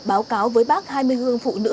báo cáo với bác hai mươi hương phụ nữ